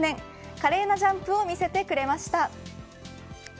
華麗なジャンプを見せてくれました。